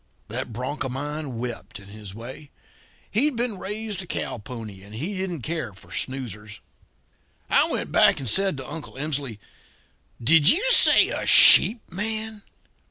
"That bronc of mine wept, in his way. He'd been raised a cow pony and he didn't care for snoozers. "I went back and said to Uncle Emsley: 'Did you say a sheep man?'